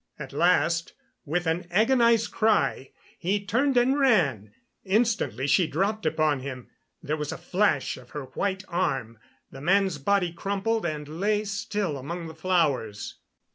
At last, with an agonized cry, he turned and ran. Instantly she dropped upon him; there was a flash of her white arm; the man's body crumpled and lay still among the flowers.